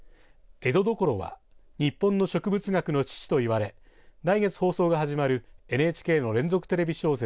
えどどころは日本の植物学の父といわれ来月放送が始まるＮＨＫの連続テレビ小説